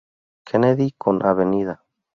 Kennedy con Av.